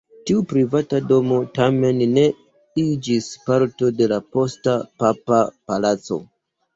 Tiu privata domo tamen ne iĝis parto de la posta papa palaco.